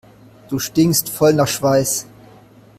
Du stinkst voll nach Schweiß.